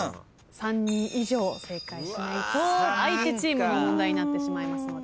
３人以上正解しないと相手チームの問題になってしまいますので。